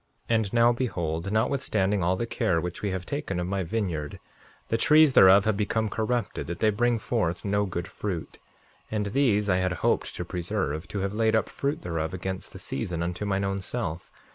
5:46 And now, behold, notwithstanding all the care which we have taken of my vineyard, the trees thereof have become corrupted, that they bring forth no good fruit; and these I had hoped to preserve, to have laid up fruit thereof against the season, unto mine own self.